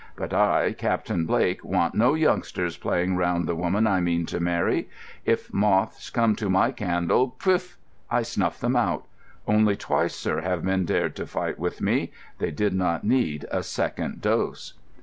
But I, Captain Blake, want no youngsters playing round the woman I mean to marry. If moths come to my candle, pff, I snuff them out. Only twice, sir, have men dared to fight with me. They did not need a second dose."